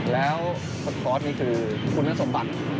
แล้วสกอร์ดนี้คือคุณนักสมบัติ